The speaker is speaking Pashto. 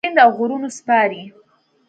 پر سیند اوغرونو سپارې